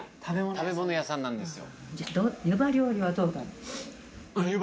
食べ物屋さんなんですよ。